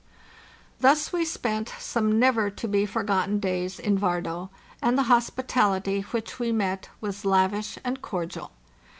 Thus we spent some never to be forgotten days in Vardo, and the hospitality which we met was_ lavish and cordial.